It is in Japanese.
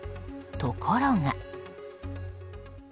ところが。